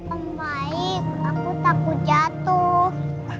oh baik aku takut jatuh